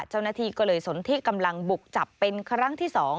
เจ้าหน้าที่ก็เลยสนที่กำลังบุกจับเป็นครั้งที่๒